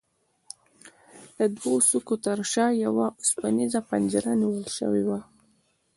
د دوو څوکیو ترشا یوه اوسپنیزه پنجره نیول شوې وه.